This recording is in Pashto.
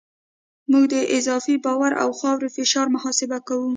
موږ د اضافي بار او خاورې فشار محاسبه کوو